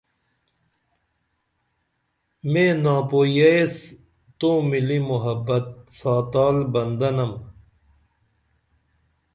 میں ناپوئی یہ ایس تومِلی محبت ساتال بندہ نم